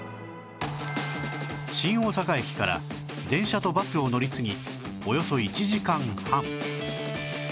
新大阪駅から電車とバスを乗り継ぎおよそ１時間半